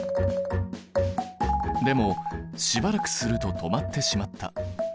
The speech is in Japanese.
でもしばらくすると止まってしまった。